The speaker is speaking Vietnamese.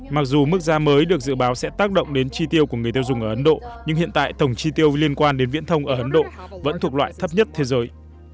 mặc dù mức giá mới được dự báo sẽ tác động đến chi tiêu của người tiêu dùng ở ấn độ nhưng hiện tại tổng chi tiêu liên quan đến viễn thông ở ấn độ vẫn thuộc loại thấp nhất thế giới